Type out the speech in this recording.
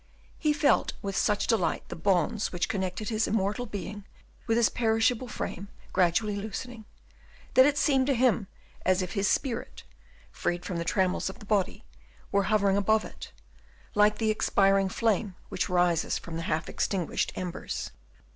He felt with such delight the bonds which connected his immortal being with his perishable frame gradually loosening, that it seemed to him as if his spirit, freed from the trammels of the body, were hovering above it, like the expiring flame which rises from the half extinguished embers.